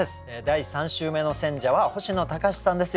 第３週目の選者は星野高士さんです。